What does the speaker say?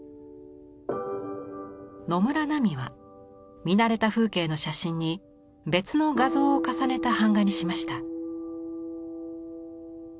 野村菜美は見慣れた風景の写真に別の画像を重ねた版画にしました。